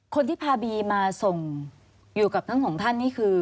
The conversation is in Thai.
คนที่พาบีมาส่งอยู่กับทั้งสองท่านนี่คือ